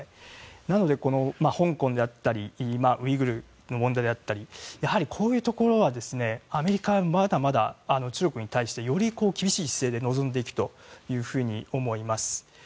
なので、香港であったりウイグルの問題であったりやはりこういうところはアメリカはまだまだ中国に対してより厳しい姿勢で臨んでいくと思います。